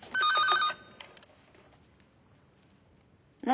何？